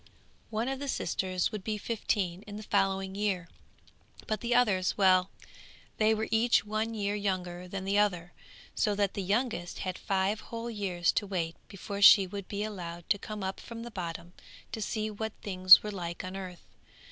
One of the sisters would be fifteen in the following year, but the others, well, they were each one year younger than the other, so that the youngest had five whole years to wait before she would be allowed to come up from the bottom, to see what things were like on earth.